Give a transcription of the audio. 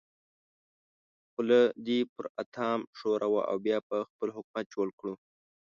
خوله دې پر اتام ښوروه او بیا به خپل حکومت جوړ کړو.